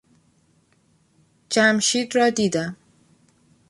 جمشید را دیدم.